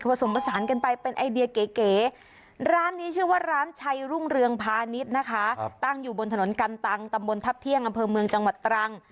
ผสมผสานกันไปเป็นไอเดียเก๋ร้านนี้ชื่อว่าร้านชัยรุ่งเรืองพาณิชย์นะคะตั้งอยู่บนถนนกันตังตำบลทัพเที่ยงอำเภอเมืองจังหวัดตรัง